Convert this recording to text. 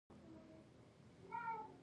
کېله د شېدو میندو ته ګټه لري.